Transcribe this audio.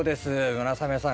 村雨さん